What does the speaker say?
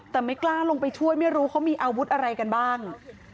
แต่ไม่กล้าลงไปช่วยไม่รู้เขามีอาวุธอะไรกันบ้าง